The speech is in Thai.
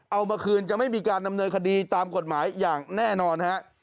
เอามาคืนจะไม่มีการดำเนินคดีตามกฎหมายอย่างแน่นอนฮะ